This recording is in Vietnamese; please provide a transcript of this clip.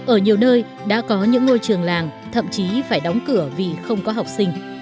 ở nhiều nơi đã có những ngôi trường làng thậm chí phải đóng cửa vì không có học sinh